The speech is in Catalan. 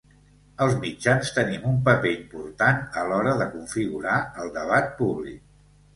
Els mitjans tenim un paper important a l’hora de configurar el debat públic.